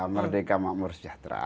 merdeka makmur sejahtera